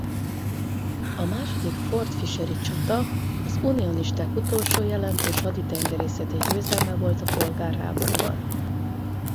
A második Fort Fisher-i csata az unionisták utolsó jelentős haditengerészeti győzelme volt a polgárháborúban.